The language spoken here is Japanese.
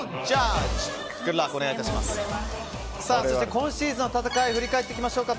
今シーズンの戦いを振り返っていきましょうか。